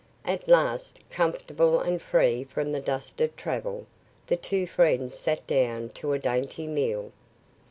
At last, comfortable and free from the dust of travel, the two friends sat down to a dainty meal.